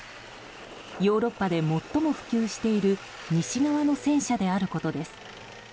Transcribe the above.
ヨーロッパで最も普及している西側の戦車であることです。